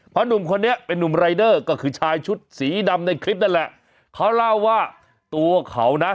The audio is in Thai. เพราะหนุ่มคนนี้เป็นนุ่มรายเดอร์ก็คือชายชุดสีดำในคลิปนั่นแหละเขาเล่าว่าตัวเขานะ